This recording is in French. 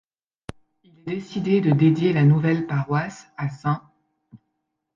Il est décidé de dédier la nouvelle paroisse à St.